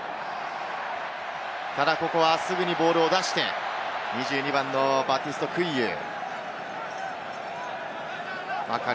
ただここはすぐにボールを出して２１番のバティスト・クイユー。